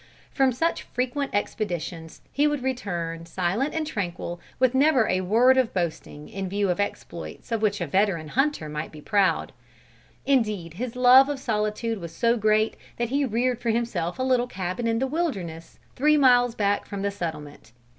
From such frequent expeditions he would return silent and tranquil, with never a word of boasting in view of exploits of which a veteran hunter might be proud. Indeed his love of solitude was so great, that he reared for himself a little cabin in the wilderness, three miles back from the settlement.